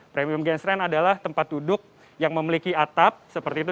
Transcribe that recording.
premium gas rend adalah tempat duduk yang memiliki atap seperti itu